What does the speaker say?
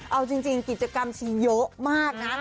เอาจริงกิจกรรมชิงเยอะมากนะ